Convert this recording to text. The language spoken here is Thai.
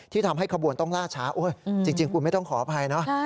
ที่ทำให้ขบวนต้องลาช้าจริงกูไม่ต้องขออภัย